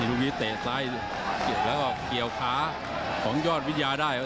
ลูกนี้เตะซ้ายแล้วก็เกี่ยวขาของยอดวิทยาได้